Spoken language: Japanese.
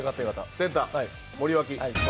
センター・森脇。